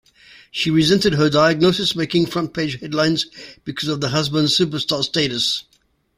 She resented her diagnosis making front page headlines because of the husband's superstar status.